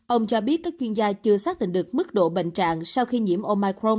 ông cho biết các chuyên gia chưa xác định được mức độ bệnh trạng sau khi nhiễm omicron